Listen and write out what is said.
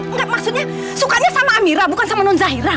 enggak maksudnya sukanya sama amira bukan sama nunzahira